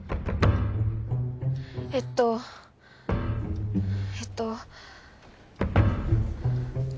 えっとえっと。